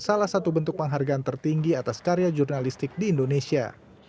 salah satu bentuk penghargaan tertinggi atas karya jurnalistik di indonesia